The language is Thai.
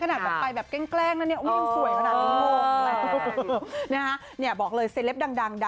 ขนาดไปแกล้ง